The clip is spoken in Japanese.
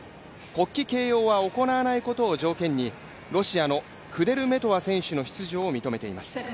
国旗掲揚は行わないことを条件にロシアのクデルメトワ選手の出場を認めています。